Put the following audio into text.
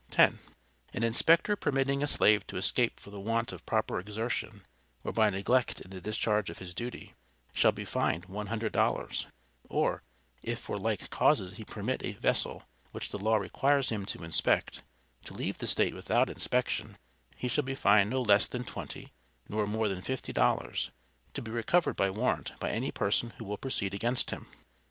(10.) An inspector permitting a slave to escape for the want of proper exertion, or by neglect in the discharge of his duty, shall be fined One Hundred Dollars; or if for like causes he permit a vessel, which the law requires him to inspect, to leave the state without inspection, he shall be fined not less than twenty, nor more than fifty dollars, to be recovered by warrant by any person who will proceed against him.